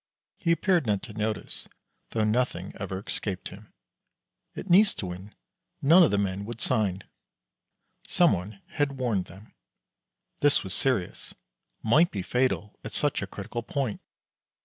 He appeared not to notice, though nothing ever escaped him. At Nystuen none of the men would sign. Some one had warned them. This was serious; might be fatal at such a critical point.